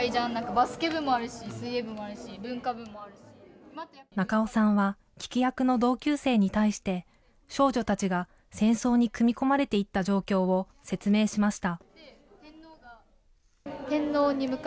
バスケ部もあるし、水泳部もある仲尾さんは、聞き役の同級生に対して、少女たちが戦争に組み込まれていった状況を説明しました。